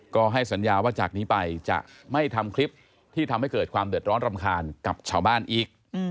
ก็ให้สัญญาว่าจากนี้ไปจะไม่ทำคลิปที่ทำให้เกิดความเดือดร้อนรำคาญกับชาวบ้านอีก